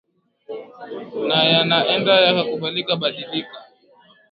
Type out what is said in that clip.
na yanaenda yakubadilika badilika